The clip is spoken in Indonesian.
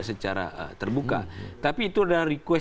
secara terbuka tapi itu adalah request